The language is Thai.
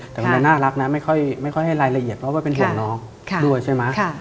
แต่มันจะน่ารักนะไม่ค่อยให้รายละเอียดเพราะว่าเป็นห่วงน้องด้วยใช่ไหม